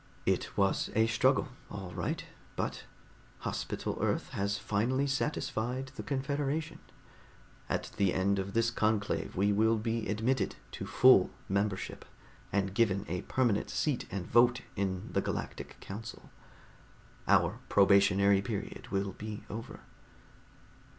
It was a struggle, all right, but Hospital Earth has finally satisfied the Confederation. At the end of this conclave we will be admitted to full membership and given a permanent seat and vote in the galactic council. Our probationary period will be over.